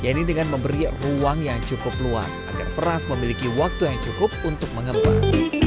yaitu dengan memberi ruang yang cukup luas agar peras memiliki waktu yang cukup untuk mengembang